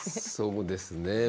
そうですね。